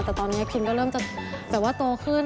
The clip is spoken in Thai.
แต่ตอนนี้พิมก็เริ่มจะแบบว่าโตขึ้น